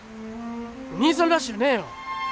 兄さんらしゅうねえよ。